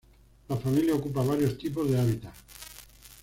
La familia ocupa varios tipos de hábitats.